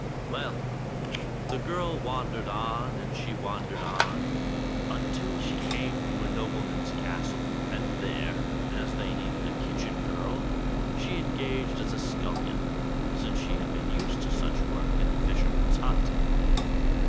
Well ! the girl wandered on and she wandered on, until she came to a nobleman's castle ; and there, as they needed THE FISH AND THE RING 329 a kitchen girl, she engaged as a sculHon, since she had been used to such work in the fisherman's hut.